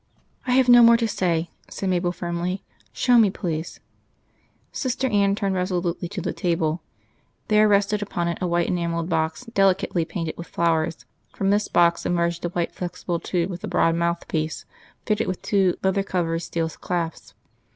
"I have no more to say," said Mabel firmly. "Show me, please." Sister Anne turned resolutely to the table. There rested upon it a white enamelled box, delicately painted with flowers. From this box emerged a white flexible tube with a broad mouthpiece, fitted with two leather covered steel clasps.